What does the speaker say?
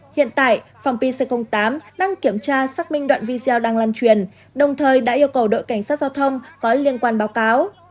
hiện tại phòng pc tám đang kiểm tra xác minh đoạn video đang lan truyền đồng thời đã yêu cầu đội cảnh sát giao thông có liên quan báo cáo